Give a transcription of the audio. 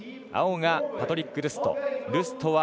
青がパトリック・ルスト。